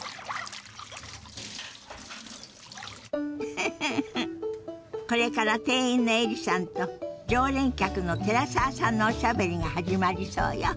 フフフフこれから店員のエリさんと常連客の寺澤さんのおしゃべりが始まりそうよ。